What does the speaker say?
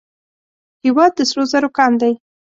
هیواد د سرو زرو کان دی